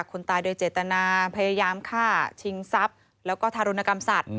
คนตายโดยเจตนาพยายามฆ่าชิงทรัพย์แล้วก็ทารุณกรรมสัตว